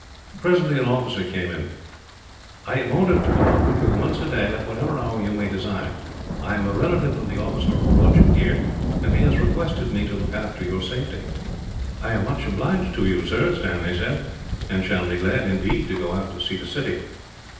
Presently an officer came in. "I am ordered to go out with you, once a day, at whatever hour you may desire. I am a relative of the officer who brought you here, and he has requested me to look after your safety." "I am much obliged to you, sir," Stanley said, "and shall be glad, indeed, to go out to see the city.